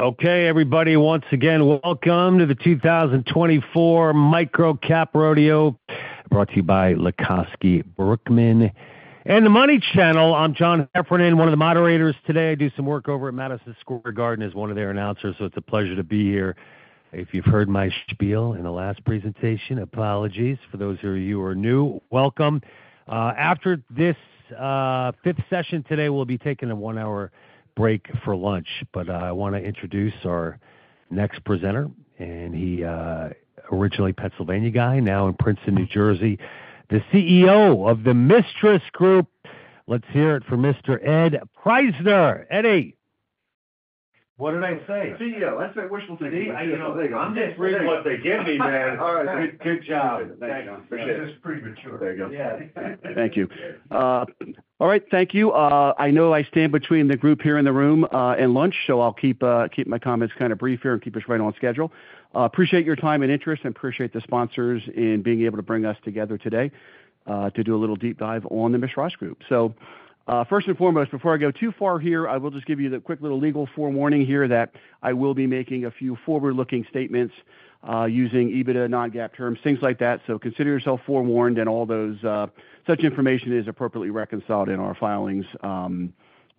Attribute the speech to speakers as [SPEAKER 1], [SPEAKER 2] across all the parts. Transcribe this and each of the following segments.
[SPEAKER 1] Okay, everybody. Once again, welcome to the 2024 MicroCap Rodeo, brought to you by Lucosky Brookman and The Money Channel. I'm John Heffernan, one of the moderators today. I do some work over at Madison Square Garden as one of their announcers, so it's a pleasure to be here. If you've heard my spiel in the last presentation, apologies. For those of you who are new, welcome. After this fifth session today, we'll be taking a one-hour break for lunch. But I want to introduce our next presenter, and he, originally Pennsylvania guy, now in Princeton, New Jersey, the CEO of the Mistras Group. Let's hear it from Mr. Ed Prajzner. Eddie! What did I say?
[SPEAKER 2] CEO. That's my wish.
[SPEAKER 1] I'm just reading what they give me, man.
[SPEAKER 2] All right. Good, good job. Thank you, John. Appreciate it.
[SPEAKER 1] This is premature.
[SPEAKER 2] There you go.
[SPEAKER 1] Yeah.
[SPEAKER 2] Thank you. All right, thank you. I know I stand between the group here in the room and lunch, so I'll keep my comments kind of brief here and keep us right on schedule. Appreciate your time and interest, and appreciate the sponsors in being able to bring us together today to do a little deep dive on the Mistras Group. So, first and foremost, before I go too far here, I will just give you the quick little legal forewarning here that I will be making a few forward-looking statements using EBITDA, non-GAAP terms, things like that. So consider yourself forewarned, and all those such information is appropriately reconciled in our filings,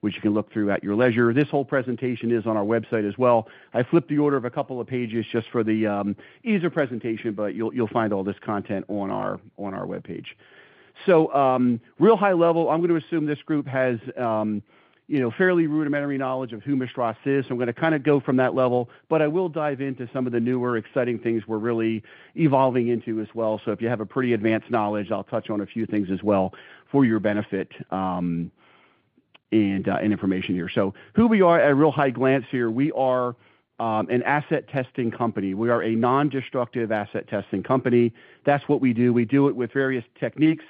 [SPEAKER 2] which you can look through at your leisure. This whole presentation is on our website as well. I flipped the order of a couple of pages just for the easier presentation, but you'll find all this content on our webpage. So, real high level, I'm going to assume this group has, you know, fairly rudimentary knowledge of who Mistras is. I'm going to kind of go from that level, but I will dive into some of the newer, exciting things we're really evolving into as well. So if you have a pretty advanced knowledge, I'll touch on a few things as well for your benefit and information here. So who we are at a real high glance here. We are an asset testing company. We are a nondestructive asset testing company. That's what we do. We do it with various techniques,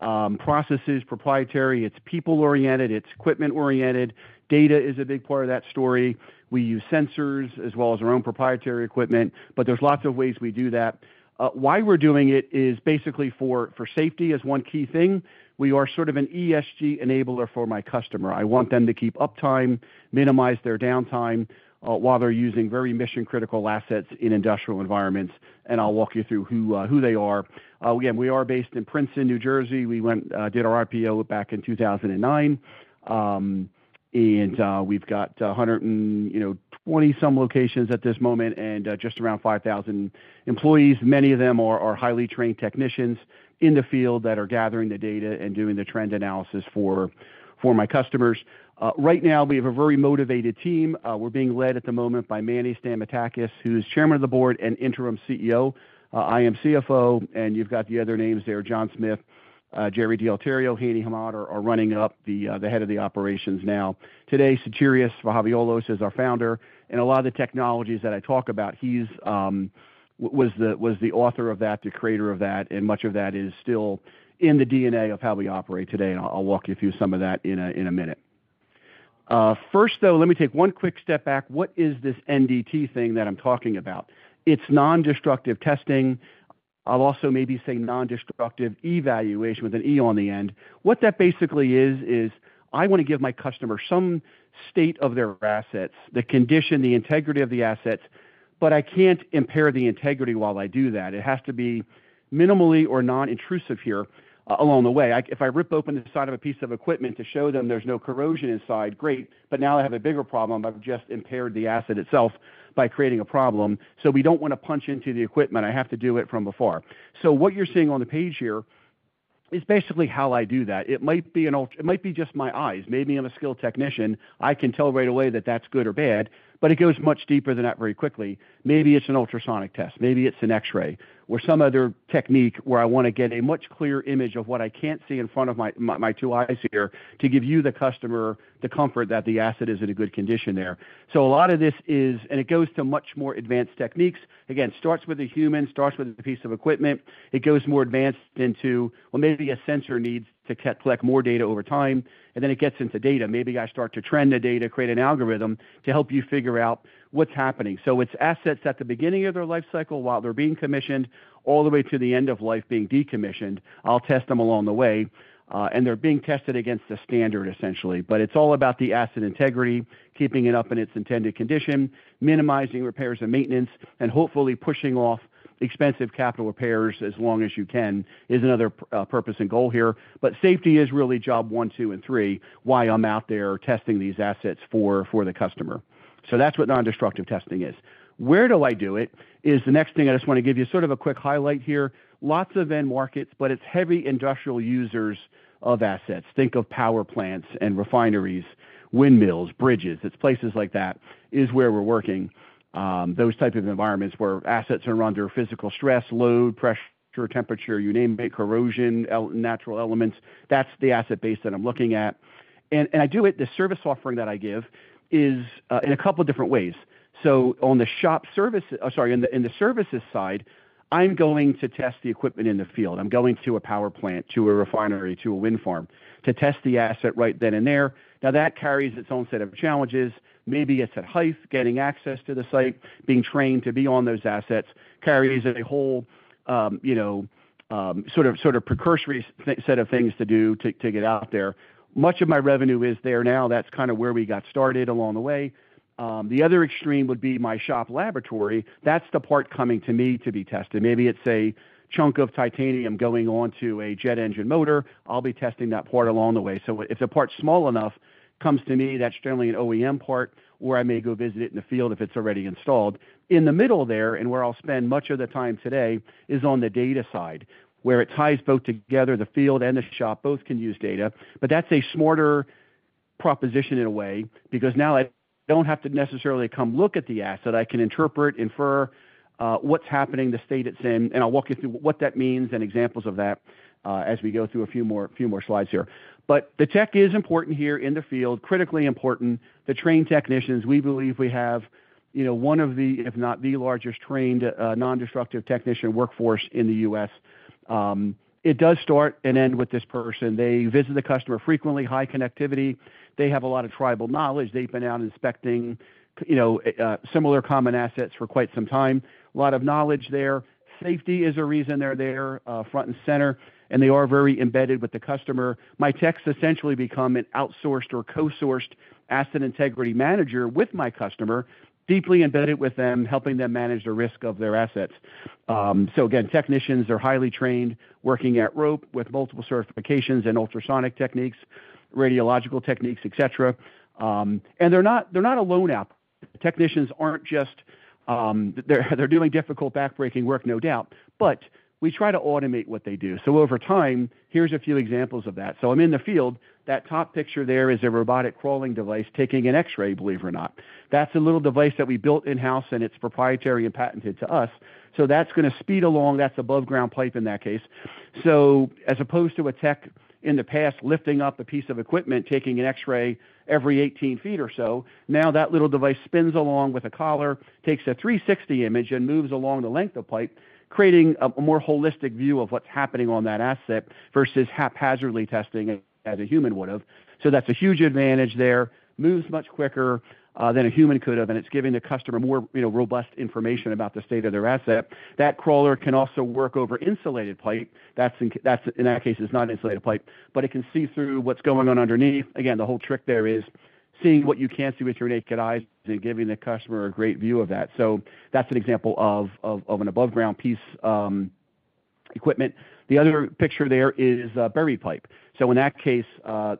[SPEAKER 2] processes, proprietary. It's people-oriented, it's equipment-oriented. Data is a big part of that story. We use sensors as well as our own proprietary equipment, but there's lots of ways we do that. Why we're doing it is basically for safety is one key thing. We are sort of an ESG enabler for my customer. I want them to keep uptime, minimize their downtime, while they're using very mission-critical assets in industrial environments, and I'll walk you through who they are. Again, we are based in Princeton, New Jersey. We went, did our IPO back in 2009. And, we've got a hundred and, you know, twenty-some locations at this moment and, just around 5,000 employees. Many of them are highly trained technicians in the field that are gathering the data and doing the trend analysis for my customers. Right now, we have a very motivated team. We're being led at the moment by Manny Stamatakis, who's Chairman of the Board and Interim CEO. I am CFO, and you've got the other names there, John Smith, Jerry D'Alterio, Hani Hammad are the heads of operations now. Today, Sotirios Vahaviolos is our founder, and a lot of the technologies that I talk about, he was the author of that, the creator of that, and much of that is still in the DNA of how we operate today, and I'll walk you through some of that in a minute. First, though, let me take one quick step back. What is this NDT thing that I'm talking about? It's nondestructive testing. I'll also maybe say nondestructive evaluation, with an E on the end. What that basically is, is I want to give my customer some state of their assets, the condition, the integrity of the assets. But I can't impair the integrity while I do that. It has to be minimally or non-intrusive here, along the way. If I rip open the side of a piece of equipment to show them there's no corrosion inside, great, but now I have a bigger problem. I've just impaired the asset itself by creating a problem. So we don't want to punch into the equipment. I have to do it from afar. So what you're seeing on the page here is basically how I do that. It might be just my eyes. Maybe I'm a skilled technician. I can tell right away that that's good or bad, but it goes much deeper than that very quickly. Maybe it's an ultrasonic test, maybe it's an X-ray or some other technique where I want to get a much clearer image of what I can't see in front of my two eyes here, to give you, the customer, the comfort that the asset is in a good condition there. So a lot of this is, and it goes to much more advanced techniques. Again, starts with a human, starts with a piece of equipment. It goes more advanced into, well, maybe a sensor needs to collect more data over time, and then it gets into data. Maybe I start to trend the data, create an algorithm to help you figure out what's happening. So it's assets at the beginning of their life cycle, while they're being commissioned, all the way to the end of life being decommissioned. I'll test them along the way, and they're being tested against a standard, essentially. But it's all about the asset integrity, keeping it up in its intended condition, minimizing repairs and maintenance, and hopefully pushing off expensive capital repairs as long as you can, is another purpose and goal here. But safety is really job one, two, and three, why I'm out there testing these assets for the customer. So that's what non-destructive testing is. Where do I do it? Is the next thing I just want to give you sort of a quick highlight here. Lots of end markets, but it's heavy industrial users of assets. Think of power plants and refineries, windmills, bridges, it's places like that is where we're working. Those types of environments where assets are under physical stress, load, pressure, temperature, you name it, corrosion, natural elements, that's the asset base that I'm looking at. And I do it, the service offering that I give is in a couple of different ways. So on the shop service, sorry, in the services side, I'm going to test the equipment in the field. I'm going to a power plant, to a refinery, to a wind farm, to test the asset right then and there. Now, that carries its own set of challenges. Maybe it's at height, getting access to the site, being trained to be on those assets, carries a whole, you know, sort of, precursory set of things to do to get out there. Much of my revenue is there now. That's kind of where we got started along the way. The other extreme would be my shop laboratory. That's the part coming to me to be tested. Maybe it's a chunk of titanium going on to a jet engine motor. I'll be testing that part along the way. So if the part's small enough, comes to me, that's generally an OEM part, or I may go visit it in the field if it's already installed. In the middle there, and where I'll spend much of the time today, is on the data side, where it ties both together, the field and the shop, both can use data. But that's a smarter proposition in a way, because now I don't have to necessarily come look at the asset. I can interpret, infer, what's happening, the state it's in, and I'll walk you through what that means and examples of that, as we go through a few more, few more slides here. But the tech is important here in the field, critically important. The trained technicians, we believe we have, you know, one of the, if not the largest trained, nondestructive technician workforce in the US It does start and end with this person. They visit the customer frequently, high connectivity. They have a lot of tribal knowledge. They've been out inspecting, you know, similar common assets for quite some time. A lot of knowledge there. Safety is a reason they're there, front and center, and they are very embedded with the customer. My techs essentially become an outsourced or co-sourced asset integrity manager with my customer, deeply embedded with them, helping them manage the risk of their assets. So again, technicians are highly trained, working at height with multiple certifications in ultrasonic techniques, radiological techniques, et cetera. And they're not a lone op. Technicians aren't just doing difficult, back-breaking work, no doubt, but we try to automate what they do. So over time, here's a few examples of that. So I'm in the field. That top picture there is a robotic crawling device taking an X-ray, believe it or not. That's a little device that we built in-house, and it's proprietary and patented to us. So that's going to speed along. That's above ground pipe in that case. So as opposed to a tech in the past, lifting up a piece of equipment, taking an X-ray every 18ft or so, now that little device spins along with a collar, takes a 360 image, and moves along the length of pipe, creating a more holistic view of what's happening on that asset, versus haphazardly testing as a human would have. So that's a huge advantage there. Moves much quicker than a human could have, and it's giving the customer more, you know, robust information about the state of their asset. That crawler can also work over insulated pipe. That's in that case. It's not insulated pipe, but it can see through what's going on underneath. Again, the whole trick there is seeing what you can't see with your naked eyes and giving the customer a great view of that. So that's an example of an above-ground piece of equipment. The other picture there is a buried pipe. So in that case,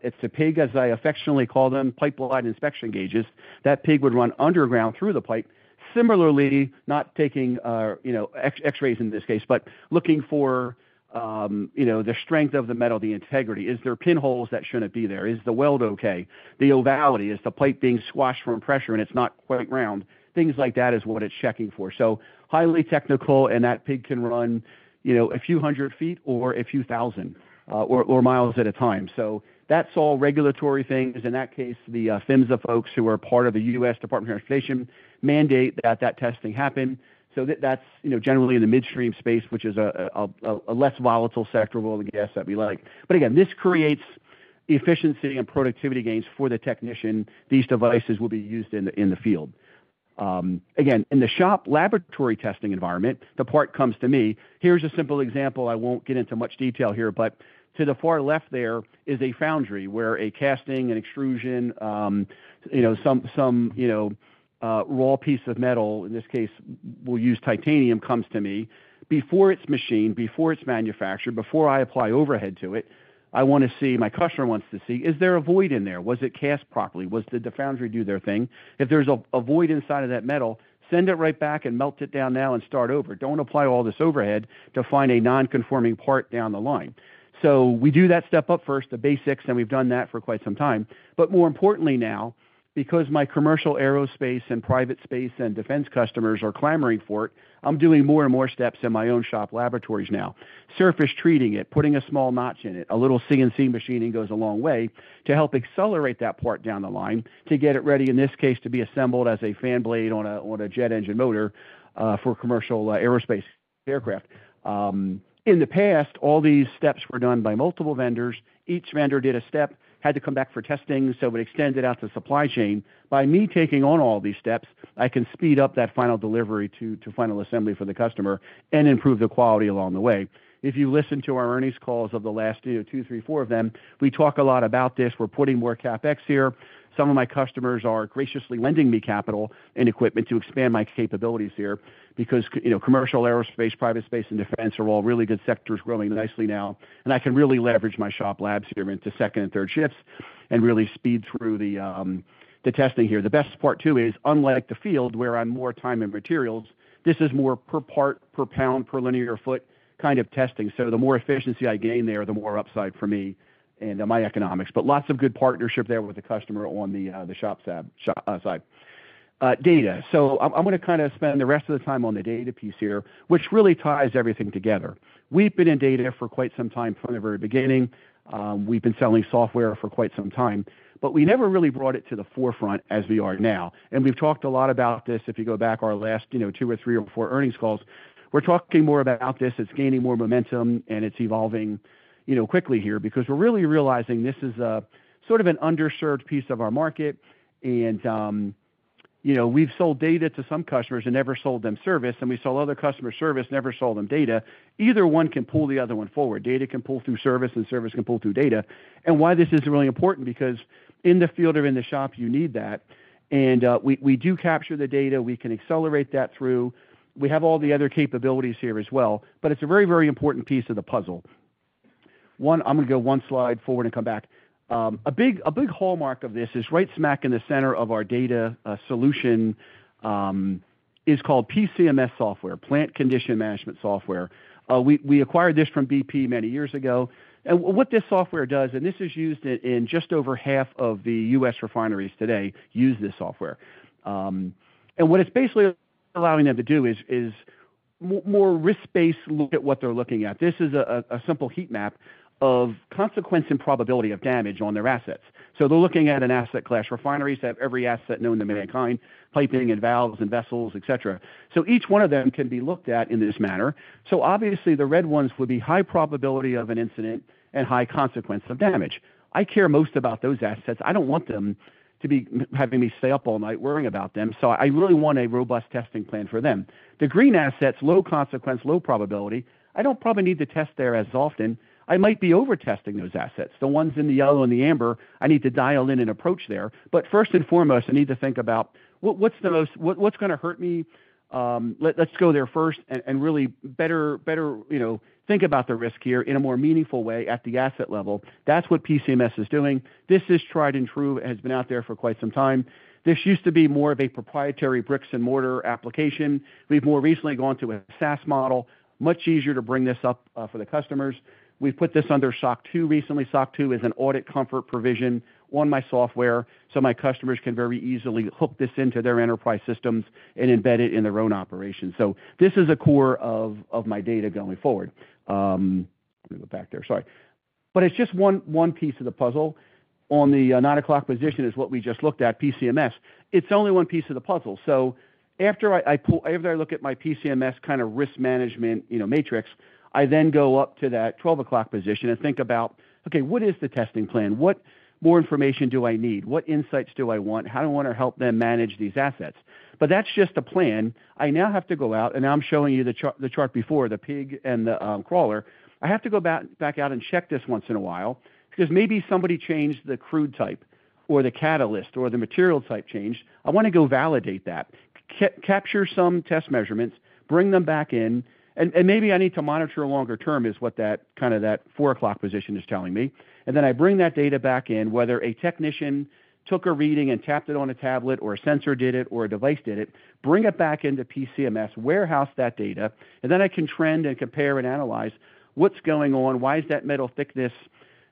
[SPEAKER 2] it's a PIG, as I affectionately call them, pipeline inspection gauges. That PIG would run underground through the pipe. Similarly, not taking you know x-rays in this case, but looking for you know the strength of the metal, the integrity. Is there pinholes that shouldn't be there? Is the weld okay? The ovality, is the pipe being squashed from pressure, and it's not quite round? Things like that is what it's checking for. So highly technical, and that PIG can run you know a few hundred feet or a few thousand or miles at a time. So that's all regulatory things. In that case, the PHMSA folks, who are part of the US Department of Transportation, mandate that that testing happen. So that's, you know, generally in the midstream space, which is a less volatile sector of oil and gas that we like. But again, this creates efficiency and productivity gains for the technician; these devices will be used in the field. Again, in the shop laboratory testing environment, the part comes to me. Here's a simple example. I won't get into much detail here, but to the far left there is a foundry where a casting, an extrusion, you know, some raw piece of metal, in this case, we'll use titanium, comes to me. Before it's machined, before it's manufactured, before I apply overhead to it, I wanna see. My customer wants to see, is there a void in there? Was it cast properly? Did the foundry do their thing? If there's a void inside of that metal, send it right back and melt it down now and start over. Don't apply all this overhead to find a non-conforming part down the line. So we do that step up first, the basics, and we've done that for quite some time. But more importantly now, because my commercial aerospace and private space and defense customers are clamoring for it, I'm doing more and more steps in my own shop laboratories now. Surface treating it, putting a small notch in it. A little CNC machining goes a long way to help accelerate that part down the line to get it ready, in this case, to be assembled as a fan blade on a jet engine motor for commercial aerospace aircraft. In the past, all these steps were done by multiple vendors. Each vendor did a step, had to come back for testing, so it extended out the supply chain. By me taking on all these steps, I can speed up that final delivery to final assembly for the customer and improve the quality along the way. If you listen to our earnings calls of the last, you know, two, three, four of them, we talk a lot about this. We're putting more CapEx here. Some of my customers are graciously lending me capital and equipment to expand my capabilities here, because you know, commercial aerospace, private space, and defense are all really good sectors, growing nicely now, and I can really leverage my shop labs here into second and third shifts and really speed through the testing here. The best part, too, is unlike the field, where I'm more time and materials, this is more per part, per pound, per linear foot kind of testing. So the more efficiency I gain there, the more upside for me and my economics. But lots of good partnership there with the customer on the shop side. Data. So I'm gonna kinda spend the rest of the time on the data piece here, which really ties everything together. We've been in data for quite some time, from the very beginning. We've been selling software for quite some time, but we never really brought it to the forefront as we are now. And we've talked a lot about this. If you go back our last, you know, two or three or four earnings calls, we're talking more about this. It's gaining more momentum, and it's evolving, you know, quickly here. Because we're really realizing this is a sort of an underserved piece of our market and, you know, we've sold data to some customers and never sold them service, and we sold other customers service, never sold them data. Either one can pull the other one forward. Data can pull through service, and service can pull through data. And why this is really important, because in the field or in the shop, you need that, and we do capture the data. We can accelerate that through. We have all the other capabilities here as well, but it's a very, very important piece of the puzzle. One. I'm gonna go one slide forward and come back. A big hallmark of this is right smack in the center of our data solution is called PCMS software, Plant Condition Management Software. We acquired this from BP many years ago, and what this software does, and this is used in just over half of the US refineries today use this software. And what it's basically allowing them to do is more risk-based look at what they're looking at. This is a simple heat map of consequence and probability of damage on their assets. So they're looking at an asset class. Refineries have every asset known to mankind, piping and valves and vessels, et cetera. So each one of them can be looked at in this manner. So obviously, the red ones would be high probability of an incident and high consequence of damage. I care most about those assets. I don't want them to be having me stay up all night worrying about them, so I really want a robust testing plan for them. The green assets, low consequence, low probability, I don't probably need to test there as often. I might be over-testing those assets. The ones in the yellow and the amber, I need to dial in and approach there. But first and foremost, I need to think about what's the most, what, what's gonna hurt me? Let's go there first and really better, you know, think about the risk here in a more meaningful way at the asset level. That's what PCMS is doing. This is tried and true and has been out there for quite some time. This used to be more of a proprietary bricks-and-mortar application. We've more recently gone to a SaaS model. Much easier to bring this up for the customers. We've put this under SOC 2 recently. SOC 2 is an audit comfort provision on my software, so my customers can very easily hook this into their enterprise systems and embed it in their own operations. So this is a core of my data going forward. I'm gonna go back there. Sorry. But it's just one piece of the puzzle. On the nine o'clock position is what we just looked at, PCMS. It's only one piece of the puzzle. So after I look at my PCMS kind of risk management, you know, matrix, I then go up to that twelve o'clock position and think about, okay, what is the testing plan? What more information do I need? What insights do I want? How do I want to help them manage these assets? But that's just a plan. I now have to go out, and now I'm showing you the chart before, the pig and the crawler. I have to go back out and check this once in a while, because maybe somebody changed the crude type or the catalyst or the material type changed. I wanna go validate that, capture some test measurements, bring them back in, and maybe I need to monitor longer term, is what that, kind of that four o'clock position is telling me. And then I bring that data back in, whether a technician took a reading and tapped it on a tablet or a sensor did it or a device did it, bring it back into PCMS, warehouse that data, and then I can trend and compare and analyze what's going on. Why is that metal thickness,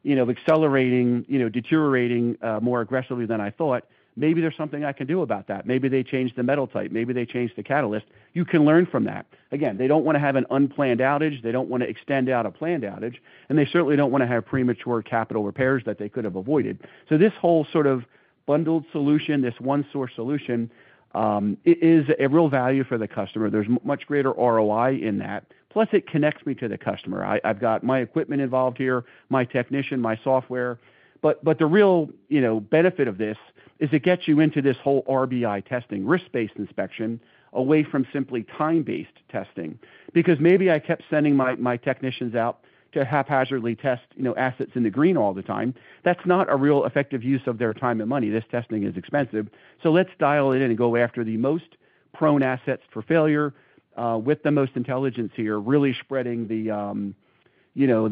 [SPEAKER 2] you know, accelerating, you know, deteriorating more aggressively than I thought? Maybe there's something I can do about that. Maybe they changed the metal type. Maybe they changed the catalyst. You can learn from that. Again, they don't wanna have an unplanned outage, they don't wanna extend out a planned outage, and they certainly don't wanna have premature capital repairs that they could have avoided. So this whole sort of bundled solution, this one-source solution, it is a real value for the customer. There's much greater ROI in that. Plus, it connects me to the customer. I've got my equipment involved here, my technician, my software, but the real, you know, benefit of this is it gets you into this whole RBI testing, risk-based inspection, away from simply time-based testing. Because maybe I kept sending my technicians out to haphazardly test, you know, assets in the green all the time. That's not a real effective use of their time and money. This testing is expensive. So let's dial in and go after the most prone assets for failure with the most intelligence here, really spreading the you know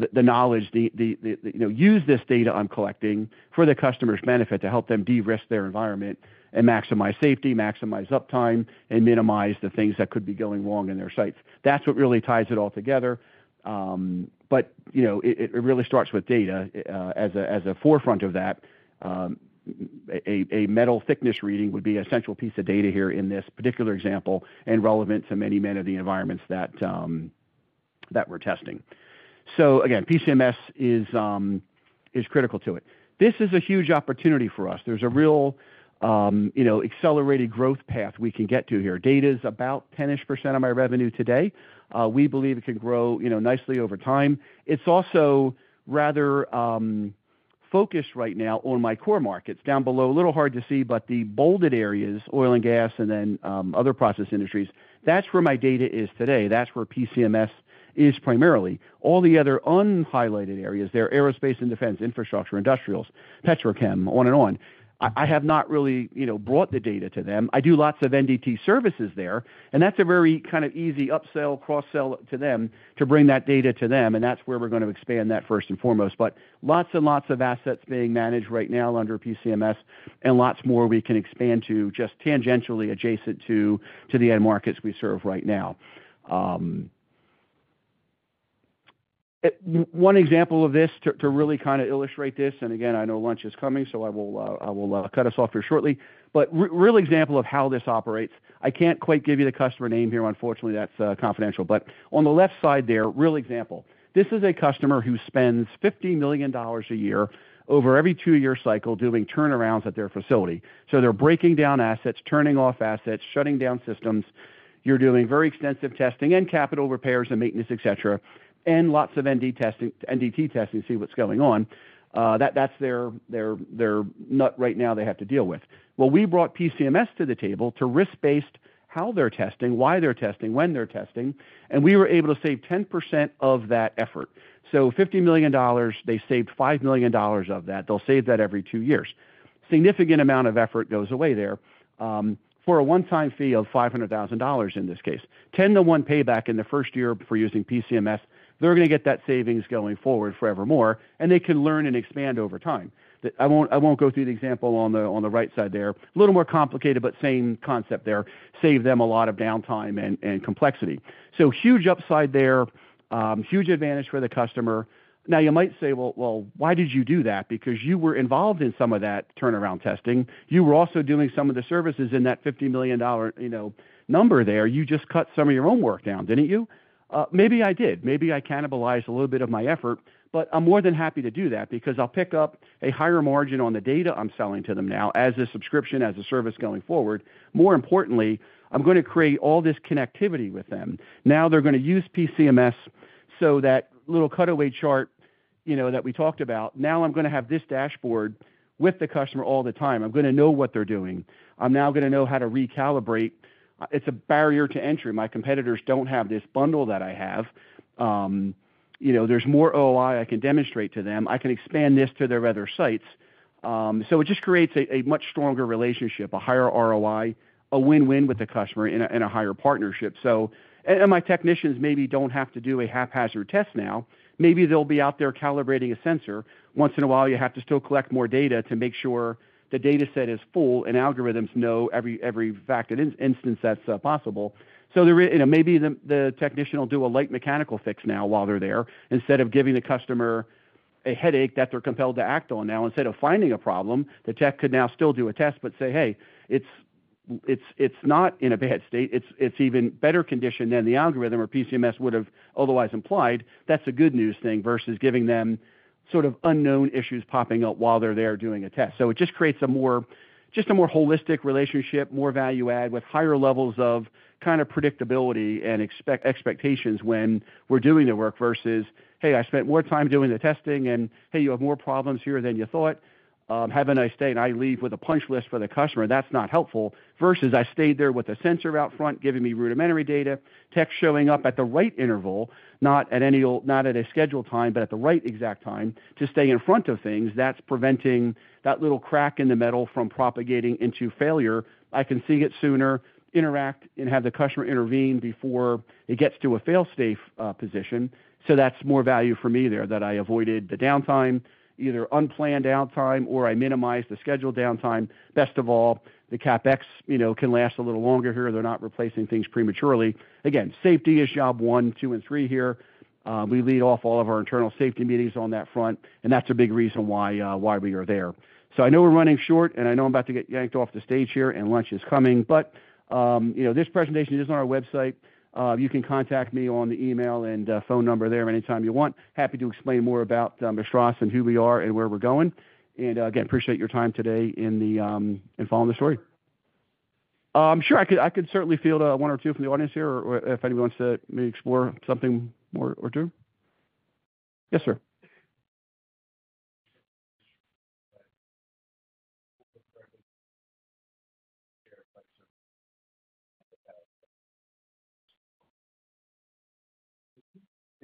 [SPEAKER 2] use this data I'm collecting for the customer's benefit to help them de-risk their environment and maximize safety, maximize uptime, and minimize the things that could be going wrong in their sites. That's what really ties it all together, but you know it really starts with data as a forefront of that. A metal thickness reading would be a central piece of data here in this particular example, and relevant to many, many of the environments that we're testing. So again, PCMS is critical to it. This is a huge opportunity for us. There's a real you know accelerated growth path we can get to here. Data is about 10-ish% of my revenue today. We believe it can grow, you know, nicely over time. It's also rather focused right now on my core markets. Down below, a little hard to see, but the bolded areas, oil and gas, and then other process industries, that's where my data is today. That's where PCMS is primarily. All the other unhighlighted areas there, aerospace and defense, infrastructure, industrials, petrochem, on and on, I have not really, you know, brought the data to them. I do lots of NDT services there, and that's a very kind of easy upsell, cross-sell to them to bring that data to them, and that's where we're going to expand that first and foremost, but lots and lots of assets being managed right now under PCMS, and lots more we can expand to just tangentially adjacent to the end markets we serve right now. One example of this, to really kind of illustrate this, and again, I know lunch is coming, so I will cut us off here shortly. But real example of how this operates, I can't quite give you the customer name here. Unfortunately, that's confidential, but on the left side there, real example. This is a customer who spends $50 million a year over every two-year cycle doing turnarounds at their facility. So they're breaking down assets, turning off assets, shutting down systems. You're doing very extensive testing and capital repairs and maintenance, et cetera, and lots of NDT testing, NDT testing to see what's going on. That's their nut right now they have to deal with. Well, we brought PCMS to the table to risk-based how they're testing, why they're testing, when they're testing, and we were able to save 10% of that effort. So $50 million, they saved $5 million of that. They'll save that every two years. Significant amount of effort goes away there, for a one-time fee of $500,000, in this case. 10-to-1 payback in the first year for using PCMS, they're gonna get that savings going forward forevermore, and they can learn and expand over time. I won't go through the example on the right side there. A little more complicated, but same concept there. Save them a lot of downtime and complexity. So huge upside there, huge advantage for the customer. Now, you might say, "Well, well, why did you do that? Because you were involved in some of that turnaround testing. You were also doing some of the services in that $50 million, you know, number there. You just cut some of your own work down, didn't you?" Maybe I did. Maybe I cannibalized a little bit of my effort, but I'm more than happy to do that because I'll pick up a higher margin on the data I'm selling to them now as a subscription, as a service going forward. More importantly, I'm gonna create all this connectivity with them. Now they're gonna use PCMS, so that little cutaway chart, you know, that we talked about, now I'm gonna have this dashboard with the customer all the time. I'm gonna know what they're doing. I'm now gonna know how to recalibrate. It's a barrier to entry. My competitors don't have this bundle that I have. You know, there's more ROI I can demonstrate to them. I can expand this to their other sites. So it just creates a much stronger relationship, a higher ROI, a win-win with the customer and a higher partnership. And my technicians maybe don't have to do a haphazard test now. Maybe they'll be out there calibrating a sensor. Once in a while, you have to still collect more data to make sure the dataset is full and algorithms know every fact and instance that's possible. So there you know, maybe the technician will do a light mechanical fix now while they're there, instead of giving the customer a headache that they're compelled to act on now. Instead of finding a problem, the tech could now still do a test, but say, "Hey, it's not in a bad state. It's even better condition than the algorithm or PCMS would have otherwise implied." That's a good news thing versus giving them sort of unknown issues popping up while they're there doing a test. So it just creates a more holistic relationship, more value add, with higher levels of kind of predictability and expectations when we're doing the work, versus, "Hey, I spent more time doing the testing," and, "Hey, you have more problems here than you thought. Have a nice day," and I leave with a punch list for the customer. That's not helpful, versus I stayed there with a sensor out front, giving me rudimentary data, tech showing up at the right interval, not at any old - not at a scheduled time, but at the right exact time to stay in front of things that's preventing that little crack in the metal from propagating into failure. I can see it sooner, interact and have the customer intervene before it gets to a fail-safe position. So that's more value for me there, that I avoided the downtime, either unplanned downtime or I minimized the scheduled downtime. Best of all, the CapEx, you know, can last a little longer here. They're not replacing things prematurely. Again, safety is job one, two, and three here. We lead off all of our internal safety meetings on that front, and that's a big reason why we are there. So I know we're running short, and I know I'm about to get yanked off the stage here, and lunch is coming, but you know, this presentation is on our website. You can contact me on the email and phone number there anytime you want. Happy to explain more about Mistras and who we are and where we're going, and again, appreciate your time today in following the story. Sure, I could certainly field one or two from the audience here, or if anyone wants to maybe explore something more or two? Yes, sir.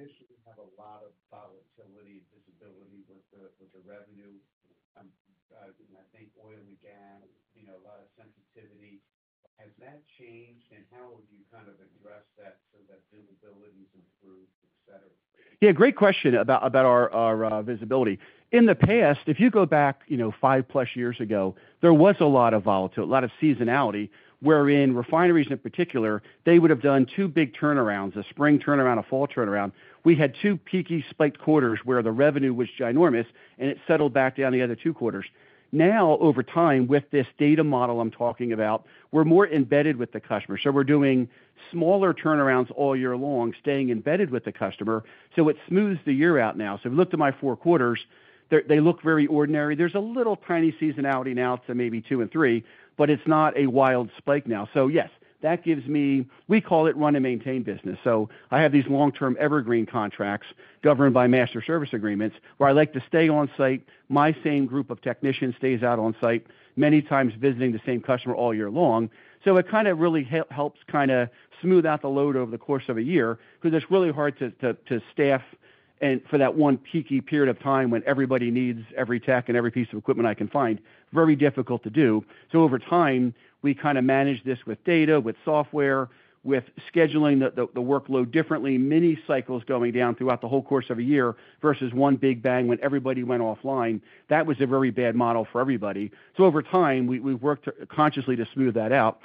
[SPEAKER 2] [inaudible] traditionally have a lot of volatility and visibility with the revenue, and I think oil and gas, you know, a lot of sensitivity. Has that changed, and how have you kind of addressed that so that visibility is improved, et cetera? Yeah, great question about our visibility. In the past, if you go back, you know, five-plus years ago, there was a lot of volatility, a lot of seasonality, wherein refineries in particular, they would have done two big turnarounds, a spring turnaround, a fall turnaround. We had two peaky spiked quarters where the revenue was ginormous, and it settled back down the other two quarters. Now, over time, with this data model I'm talking about, we're more embedded with the customer. So we're doing smaller turnarounds all year long, staying embedded with the customer, so it smooths the year out now. So if you looked at my four quarters, they look very ordinary. There's a little tiny seasonality now to maybe two and three, but it's not a wild spike now. So yes, that gives me, we call it run-and-maintain business. So I have these long-term evergreen contracts governed by master service agreements, where I like to stay on site. My same group of technicians stays out on site, many times visiting the same customer all year long. So it kind of really helps kind of smooth out the load over the course of a year, because it's really hard to staff and for that one peaky period of time when everybody needs every tech and every piece of equipment I can find, very difficult to do. So over time, we kind of managed this with data, with software, with scheduling the workload differently, many cycles going down throughout the whole course of a year versus one big bang when everybody went offline. That was a very bad model for everybody. So over time, we've worked consciously to smooth that out,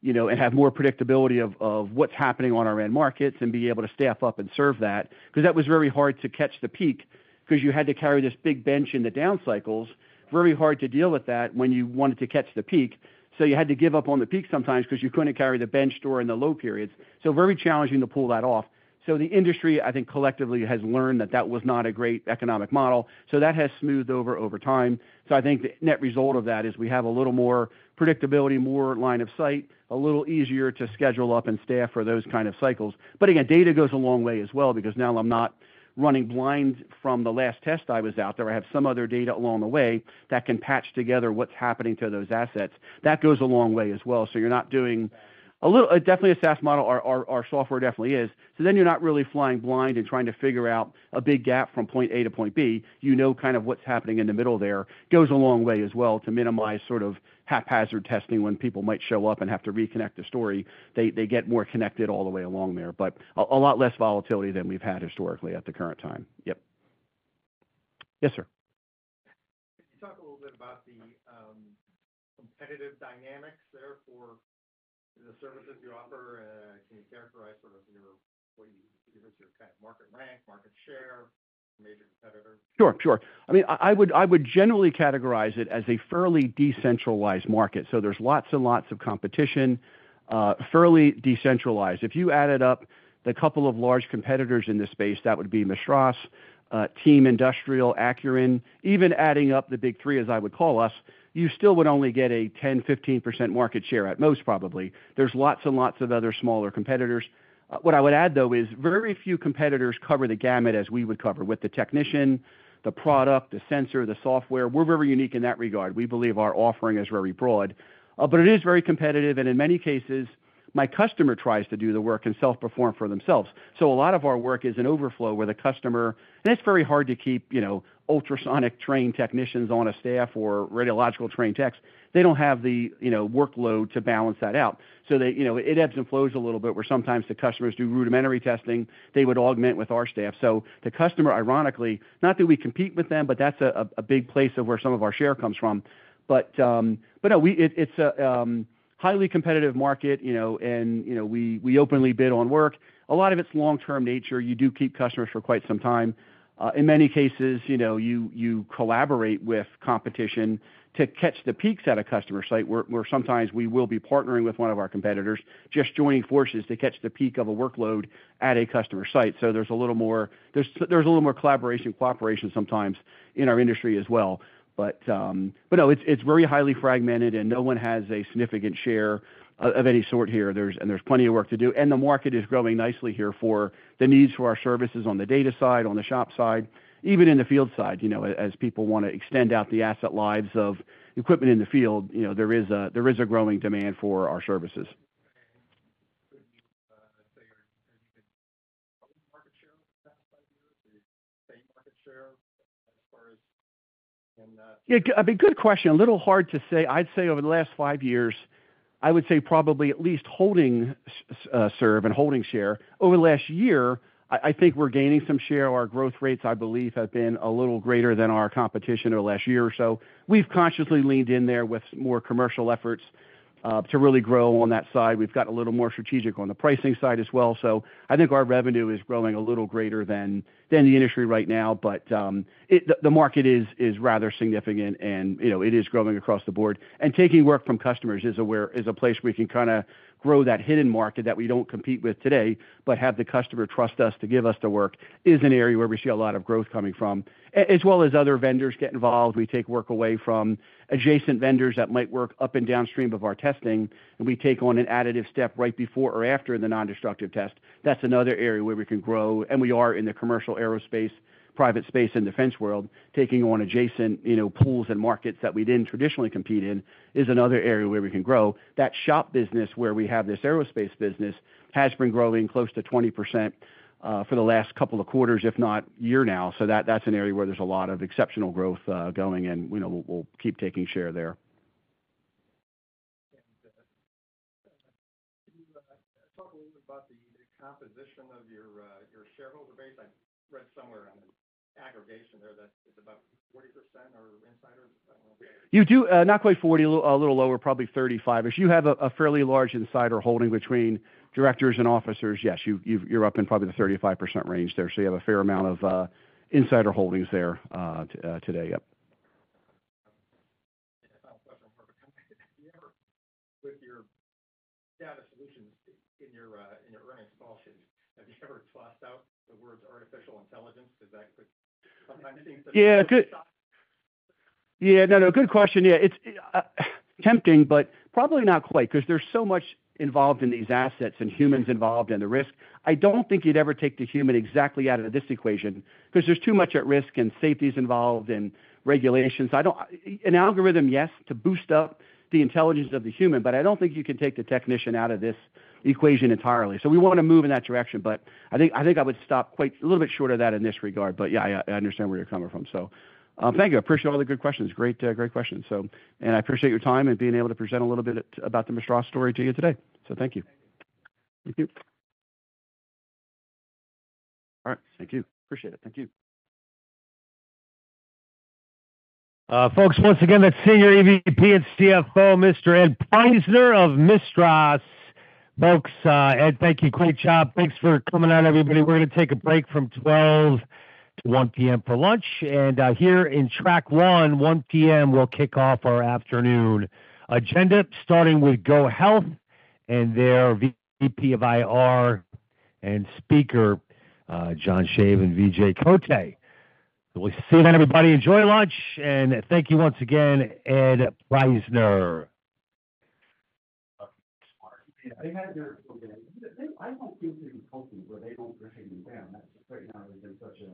[SPEAKER 2] you know, and have more predictability of what's happening on our end markets and be able to staff up and serve that, because that was very hard to catch the peak, because you had to carry this big bench in the down cycles. Very hard to deal with that when you wanted to catch the peak. So you had to give up on the peak sometimes because you couldn't carry the bench during the low periods. So very challenging to pull that off. So the industry, I think, collectively, has learned that that was not a great economic model, so that has smoothed over time. So I think the net result of that is we have a little more predictability, more line of sight, a little easier to schedule up and staff for those kind of cycles. But again, data goes a long way as well, because now I'm not running blind from the last test I was out there. I have some other data along the way that can patch together what's happening to those assets. That goes a long way as well. So you're not doing- Got it. A little, definitely, a SaaS model. Our software definitely is. So then you're not really flying blind and trying to figure out a big gap from point A to point B. You know, kind of what's happening in the middle there. Goes a long way as well to minimize sort of haphazard testing when people might show up and have to reconnect the story. They get more connected all the way along there. But a lot less volatility than we've had historically at the current time. Yep. Yes, sir. Can you talk a little bit about the competitive dynamics there for the services you offer? Can you characterize sort of your kind of market rank, market share, major competitors? Sure, sure. I mean, I would generally categorize it as a fairly decentralized market, so there's lots and lots of competition, fairly decentralized. If you added up the couple of large competitors in this space, that would be Mistras, Team Industrial, Acuren. Even adding up the big three, as I would call us, you still would only get a 10-15% market share at most, probably. There's lots and lots of other smaller competitors. What I would add, though, is very few competitors cover the gamut as we would cover, with the technician, the product, the sensor, the software. We're very unique in that regard. We believe our offering is very broad, but it is very competitive, and in many cases, my customer tries to do the work and self-perform for themselves. So a lot of our work is an overflow, where the customer. And it's very hard to keep, you know, ultrasonic-trained technicians on a staff or radiological-trained techs. They don't have the, you know, workload to balance that out. So they, you know, it ebbs and flows a little bit, where sometimes the customers do rudimentary testing. They would augment with our staff. So the customer, ironically, not that we compete with them, but that's a big place of where some of our share comes from. But, no, we, it's a highly competitive market, you know, and, you know, we openly bid on work. A lot of it's long-term nature. You do keep customers for quite some time. In many cases, you know, you collaborate with competition to catch the peaks at a customer site, where sometimes we will be partnering with one of our competitors, just joining forces to catch the peak of a workload at a customer site. So there's a little more collaboration, cooperation sometimes in our industry as well. But no, it's very highly fragmented, and no one has a significant share of any sort here. And there's plenty of work to do, and the market is growing nicely here for the needs for our services on the data side, on the shop side, even in the field side, you know, as people want to extend out the asset lives of equipment in the field, you know, there is a growing demand for our services. Okay. Could you say anything about market share for the past five years? The same market share as far as in, Yeah, a good question. A little hard to say. I'd say over the last five years, I would say probably at least holding serve and holding share. Over the last year, I think we're gaining some share. Our growth rates, I believe, have been a little greater than our competition over the last year or so. We've consciously leaned in there with more commercial efforts to really grow on that side. We've got a little more strategic on the pricing side as well. So I think our revenue is growing a little greater than the industry right now, but the market is rather significant, and you know, it is growing across the board. Taking work from customers is a place we can kind of grow that hidden market that we don't compete with today, but have the customer trust us to give us the work. This is an area where we see a lot of growth coming from. As well as other vendors get involved, we take work away from adjacent vendors that might work up and downstream of our testing, and we take on an additive step right before or after the nondestructive test. That's another area where we can grow, and we are in the commercial aerospace, private space, and defense world. Taking on adjacent, you know, pools and markets that we didn't traditionally compete in is another area where we can grow. That shop business, where we have this aerospace business, has been growing close to 20% for the last couple of quarters, if not year now. So that, that's an area where there's a lot of exceptional growth going, and, you know, we'll keep taking share there. [inaudible] your shareholder base? I read somewhere on the aggregation there that it's about 40% or insider. I don't know. You do not quite 40, a little lower, probably 35. If you have a fairly large insider holding between directors and officers, yes, you're up in probably the 35% range there, so you have a fair amount of insider holdings there today. Yep. Final question for you. Do you ever, with your data solutions in your earnings call sheets, have you ever tossed out the words artificial intelligence? Because that could sometimes seem to [inaudible] Yeah. Good. Yeah. No, no, good question. Yeah, it's tempting, but probably not quite, 'cause there's so much involved in these assets and humans involved and the risk. I don't think you'd ever take the human exactly out of this equation, 'cause there's too much at risk, and safety is involved and regulations. An algorithm, yes, to boost up the intelligence of the human, but I don't think you can take the technician out of this equation entirely. So we want to move in that direction, but I think I would stop quite a little bit short of that in this regard. But, yeah, I understand where you're coming from. So, thank you. I appreciate all the good questions. Great, great questions, so I appreciate your time and being able to present a little bit about the Mistras story to you today. Thank you. Thank you. All right, thank you. Appreciate it. Thank you.
[SPEAKER 1] Folks, once again, that's Senior EVP and CFO, Mr. Ed Prajzner of Mistras. Folks, Ed, thank you. Great job. Thanks for coming out, everybody. We're gonna take a break from 12:00 P.M. to 1:00 P.M. for lunch, and here in track one, 1:00 PM, we'll kick off our afternoon agenda, starting with GoHealth and their VP of IR and speaker, John Shave and Vijay Kotte. We'll see you then, everybody. Enjoy lunch, and thank you once again, Ed Prajzner.